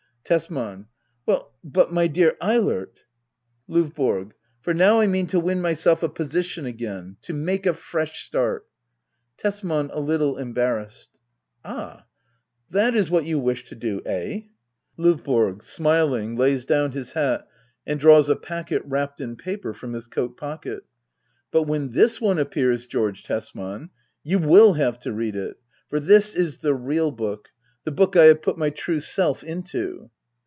Tesman. Well but, my dear Eilert I L5YB0R0. For now I mean to win myself a position again — to make a fresh start. Tesman. \A UUle embarrassed.] Ah, that is what you wish to do? Eh? L5YBORO. [Smiling, lays donm his hat, and draws a packet, wrapped in paper, from his coat pocket,] But when this one appears, George Tesman, you will have to read it. For this is the real book — the book I have put my true self into.